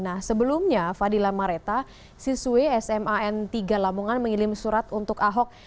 nah sebelumnya fadila mareta siswi sman tiga lamongan mengirim surat untuk ahok